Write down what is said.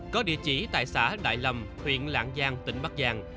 có địa chỉ tại xã đại lâm huyện lạng giang tỉnh bắc giang